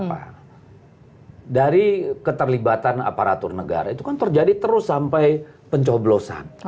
karena dari keterlibatan aparatur negara itu kan terjadi terus sampai pencoblosan